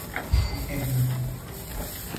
Ne fena.